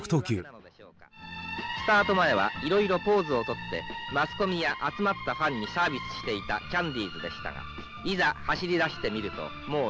「スタート前はいろいろポーズをとってマスコミや集まったファンにサービスしていたキャンディーズでしたがいざ走り出してみるともうヨレヨレ」。